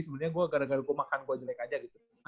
sebenarnya gue gara gara gue makan gue jelek aja gitu